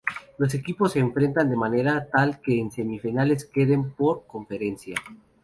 Los equipos se enfrentan de manera tal que en semifinales queden dos por conferencia.